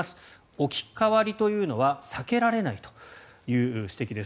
置き換わりというのは避けられないという指摘です。